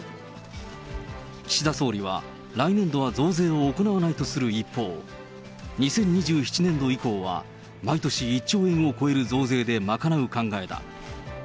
岸田総理は、来年度は増税を行わないとする一方、２０２７年度以降は、毎年１兆円を超える増税で賄う考えだ。